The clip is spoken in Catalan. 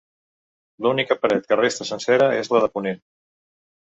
L'única paret que resta sencera és la de ponent.